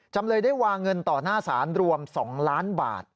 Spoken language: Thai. จำเลยได้วางเงินต่อหน้าศาลรวม๒ล้านบาท